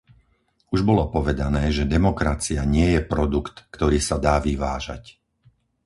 Už bolo povedané, že demokracia nie je produkt, ktorý sa dá vyvážať.